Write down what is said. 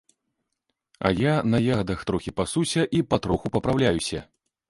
А я на ягадах трохі пасуся і патроху папраўляюся.